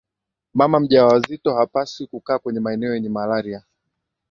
mama mjawazito hapaswi kukaa kwenye maeneo yenye malaria